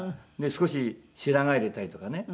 少し白髪入れたりとかね。